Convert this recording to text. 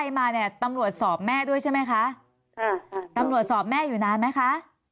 อ๋อตำรวจถามอะไรบ้างแม่เอาเท่าที่จำได้อะค่ะ